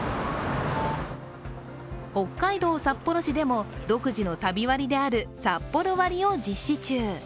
北海道札幌市でも独自の旅割であるサッポロ割を実施中。